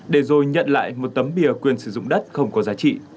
để rồi nhận lại một tấm bia quyền sử dụng đất không có giá trị